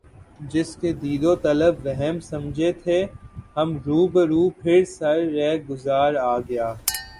جس کی دید و طلب وہم سمجھے تھے ہم رو بہ رو پھر سر رہ گزار آ گیا